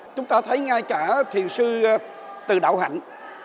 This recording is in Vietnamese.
chúng ta thấy ngay cả thiền sư từ đạo hạnh